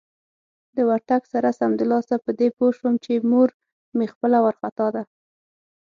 د ورتګ سره سمدلاسه په دې پوه شوم چې مور مې خپله وارخطا ده.